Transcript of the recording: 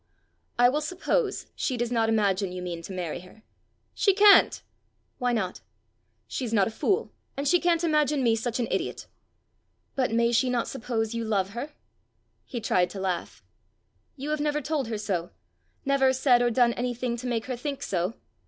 "I will suppose she does not imagine you mean to marry her." "She can't!" "Why not?" "She's not a fool, and she can't imagine me such an idiot!" "But may she not suppose you love her?" He tried to laugh. "You have never told her so? never said or done anything to make her think so?"